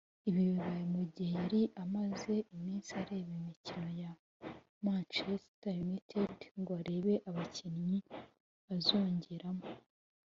Ibi bibaye mu gihe yari amaze iminsi areba imikino ya Manchester United ngo arebe abakinnyi azongeramo